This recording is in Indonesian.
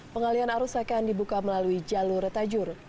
pengalian arus akan dibuka melalui jalur tajur